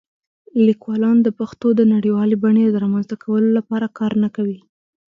لیکوالان د پښتو د نړیوالې بڼې د رامنځته کولو لپاره کار نه کوي.